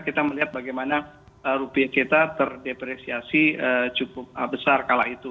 kita melihat bagaimana rupiah kita terdepresiasi cukup besar kala itu